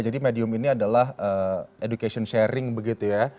jadi medium ini adalah education sharing begitu ya